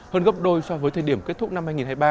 hơn gấp đôi so với thời điểm kết thúc năm hai nghìn hai mươi ba